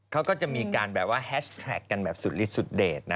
เขาก็จะมีแบบแฮชแทรคกันแบบสุดลิดสุดแดดนะ